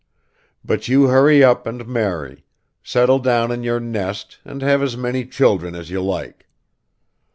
But you hurry up and marry, settle down in your nest and have as many children as you like.